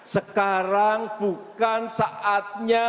sekarang bukan saatnya